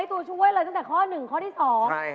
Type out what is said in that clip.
ถูกกว่า